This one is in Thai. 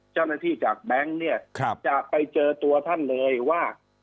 จากแบงค์เนี่ยจะไปเจอตัวท่านเลยว่า